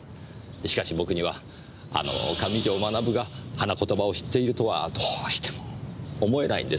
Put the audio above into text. しかし僕にはあの上条学が花言葉を知っているとはどうしても思えないんですよ。